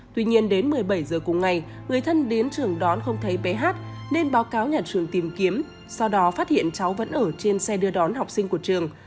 tuy nhiên đến một mươi bảy h cùng ngày người thân đến trường đón không thấy bé hát nên báo cáo nhà trường tìm kiếm sau đó phát hiện cháu vẫn ở trên xe đưa đón học sinh của trường